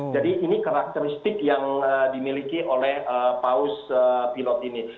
jadi ini karakteristik yang dimiliki oleh paus pilot ini